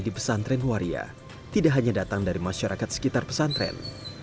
di pesantren waria tidak hanya datang dari masyarakat sekitar pesantren